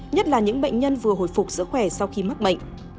nhất là những bệnh nhân vừa hồi phục sức khỏe sau khi mắc bệnh